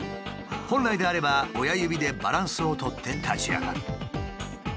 本来であれば親指でバランスを取って立ち上がる。